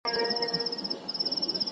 ومي لوست قران سهار مهال بس ستا دروح پخیر